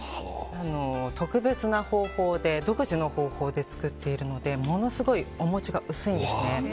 特別な方法で独自の方法で作っているのでものすごいお餅が薄いんですね。